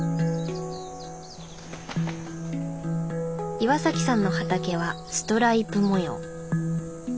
岩さんの畑はストライプ模様。